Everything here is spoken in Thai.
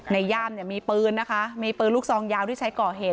ย่ามเนี่ยมีปืนนะคะมีปืนลูกซองยาวที่ใช้ก่อเหตุ